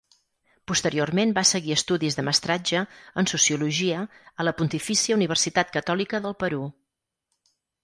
Posteriorment va seguir estudis de mestratge en Sociologia a la Pontifícia Universitat Catòlica del Perú.